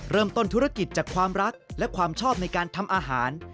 ธุรกิจจากความรักและความชอบในการทำอาหาร